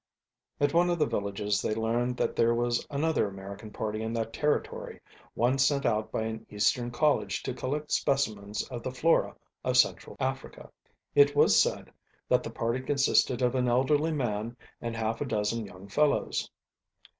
At one of the villages they leaned that there was another American Party in that territory, one sent out by an Eastern college to collect specimens of the flora of central Africa. It was said that the party consisted of an elderly man and half a dozen young fellows.